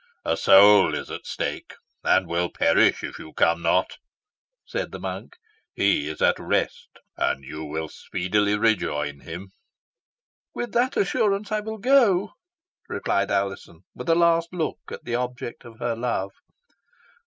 A soul is at stake, and will perish if you come not," said the monk. "He is at rest, and you will speedily rejoin him." "With that assurance I will go," replied Alizon, with a last look at the object of her love.